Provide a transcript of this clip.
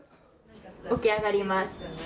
起き上がります。